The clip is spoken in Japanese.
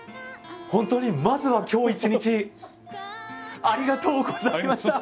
本当にまずは今日一日ありがとうございました。